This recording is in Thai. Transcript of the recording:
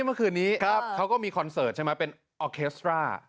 เมื่อคืนนี้เขาก็มีคอนเสิร์ตใช่ไหมเป็นออเคสตรา